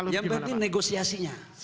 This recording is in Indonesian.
yang penting negosiasinya